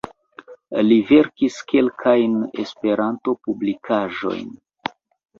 Li verkis kelkajn Esperanto-publikaĵojn.